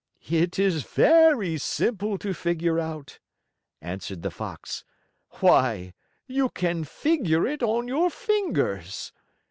"It is very simple to figure out," answered the Fox. "Why, you can figure it on your fingers!